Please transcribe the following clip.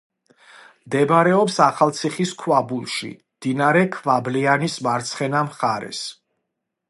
მდებარეობს ახალციხის ქვაბულში, მდინარე ქვაბლიანის მარცხენა მხარეს.